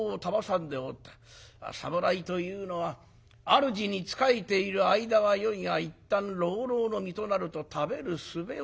侍というのはあるじに仕えている間はよいがいったん浪々の身となると食べるすべを知らん。